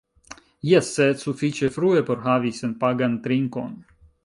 Jes... sed sufiĉe frue por havi senpagan trinkon